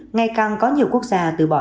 ngày càng có nhiều quốc gia từ bỏ